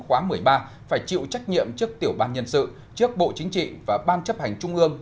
khóa một mươi ba phải chịu trách nhiệm trước tiểu ban nhân sự trước bộ chính trị và ban chấp hành trung ương